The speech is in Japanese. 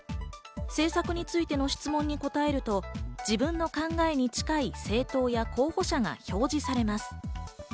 政策についての質問に答えると、自分の考えに近い政党や候補者が表示されます。